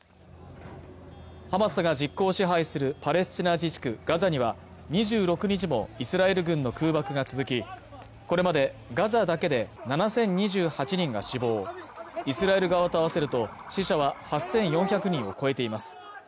ハマスが実効支配するパレスチナ自治区ガザには２６日もイスラエル軍の空爆が続きこれまでガザだけで７０２８人が死亡イスラエル側と合わせると死者は８４００人を超えています